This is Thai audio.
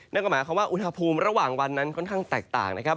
นั่นก็หมายความว่าอุณหภูมิระหว่างวันนั้นค่อนข้างแตกต่างนะครับ